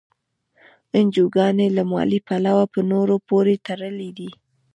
انجوګانې له مالي پلوه په نورو پورې تړلي دي.